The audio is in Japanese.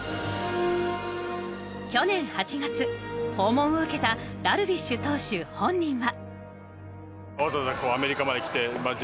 去年８月訪問を受けたダルビッシュ投手本人は。